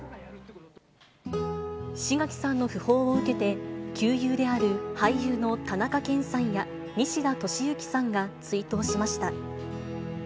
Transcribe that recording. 志垣さんの訃報を受けて、旧友である俳優の田中健さんや西田敏行さんが追悼しました。